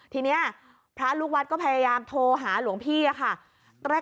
ทีนี้พระลูกวัดก็พยายามโทรหาหลวงพี่ค่ะ